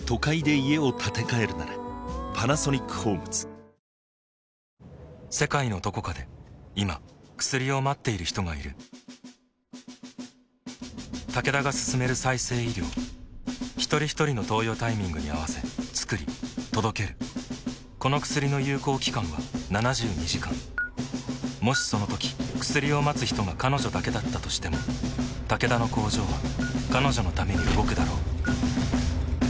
秋の果物ということで、見た目は秋っぽく見えるかもしれませんけれども世界のどこかで今薬を待っている人がいるタケダが進める再生医療ひとりひとりの投与タイミングに合わせつくり届けるこの薬の有効期間は７２時間もしそのとき薬を待つ人が彼女だけだったとしてもタケダの工場は彼女のために動くだろう